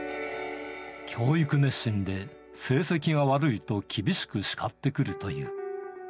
教育熱心で成績が悪いと厳しくしかってくるという。